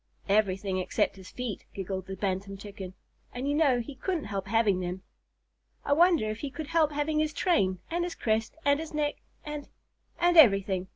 "Everything except his feet," giggled the Bantam Chicken, "and you know he couldn't help having them." "I wonder if he could help having his train, and his crest, and his neck, and and everything?"